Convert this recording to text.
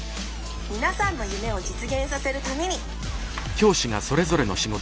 みなさんの夢を実現させるために」。